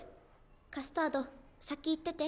カスタード先行ってて。